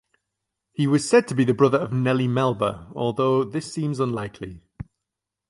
He was said to be the brother of Nellie Melba although this seems unlikely.